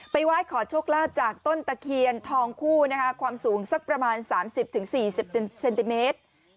ไหว้ขอโชคลาภจากต้นตะเคียนทองคู่นะคะความสูงสักประมาณ๓๐๔๐เซนติเมตร